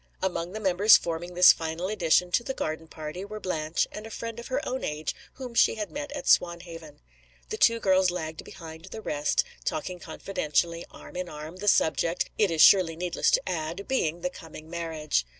Among the members forming this final addition to the garden party were Blanche, and a friend of her own age whom she had met at Swanhaven. The two girls lagged behind the rest, talking confidentially, arm in arm the subject (it is surely needless to add) being the coming marriage.